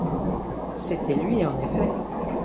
C’était lui en effet.